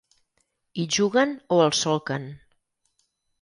Hi juguen o el solquen.